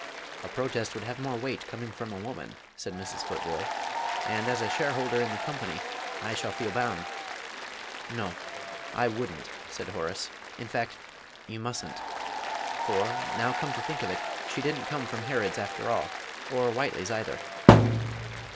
"A protest would have more weight coming from a woman," said Mrs. Futvoye; "and, as a shareholder in the company, I shall feel bound " "No, I wouldn't," said Horace; "in fact, you mustn't. For, now I come to think of it, she didn't come from Harrod's, after all, or Whiteley's either."